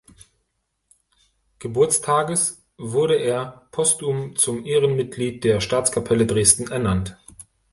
Geburtstages wurde er postum zum Ehrenmitglied der Staatskapelle Dresden ernannt.